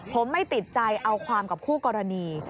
ผมไม่ติดใจเอาความกับคู่กรณี